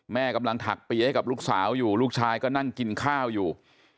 แม่กำลังถักเปียให้กับลูกสาวอยู่ลูกชายก็นั่งกินข้าวอยู่